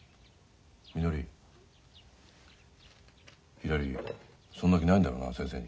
みのりひらりそんな気ないんだろうな先生に。